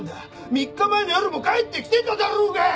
３日前の夜も帰ってきてただろうが！